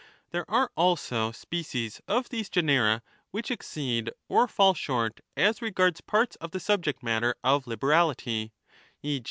xThere are also species oT^hese genera which exceed or fall short as regards parts of the subject matter of liberality, e.